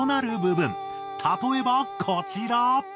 例えばこちら。